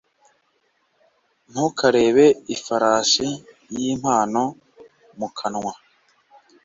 Ntukarebe ifarashi y'impano mu kanwa.